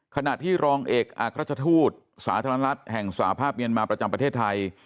ขณะที่รองเอกอากรัฐธูรศสาระนรัฐแห่งสวอาภาพเมียนมาประจำประเทศไทย